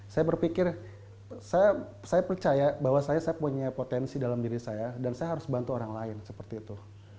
saya berpikir saya percaya bahwa saya punya potensi dalam diri saya dan saya harus bantu orang lain seperti itu